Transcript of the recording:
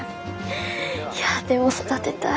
いやでも育てたい。